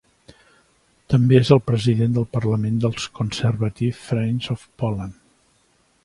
També és el president del parlament dels Conservative Friends of Poland.